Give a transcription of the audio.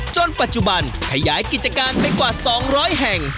จนปัจจุบันขยายกิจการไปกว่า๒๐๐แห่ง